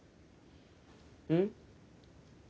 うん？